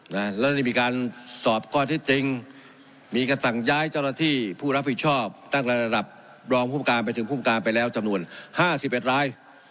และนี่มีการสอบข้อที่จริงมีกระสั่งย้ายเจ้าหน้าที่ผู้รับผิดชอบตั้งระดับรองภูมิการไปถึงภูมิการไปแล้วจำนวน๕๐แบตราย